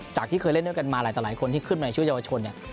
จากที่เคยเล่นด้วยกันมาหลายคนที่ขึ้นมาชื่อยาวชนเนี่ย